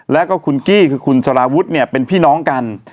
แล้วก็คุณกี้คือคุณสารวุฒิเนี่ยเป็นพี่น้องกัน